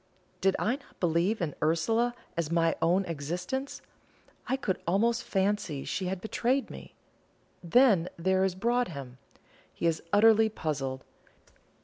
Did I not believe in Ursula as in my own existence, I could almost fancy she had betrayed me. Then there is Broadhem. He is utterly puzzled.